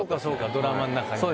ドラマの中にね。